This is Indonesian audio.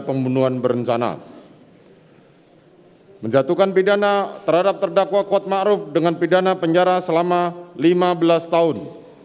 dua menyatakan terdakwa terhadap kuat makruf dengan pidana penjara selama lima belas tahun